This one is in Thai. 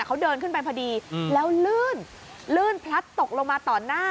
เขาเดินขึ้นไปพอดีแล้วลื่นลื่นพลัดตกลงมาต่อหน้า